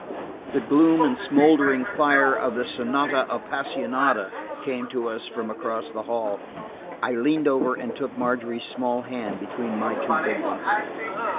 The gloom and smouldering fire of the Sonata Apassionata came to us from across the hall. I leaned over and took Margery's small hand between my two big ones.